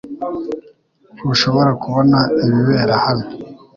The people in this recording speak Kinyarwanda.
Ntushobora kubona ibibera hano?